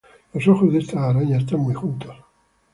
Los ojos de estas arañas están muy juntos.